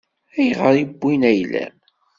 Ayɣer i wwin ayla-m?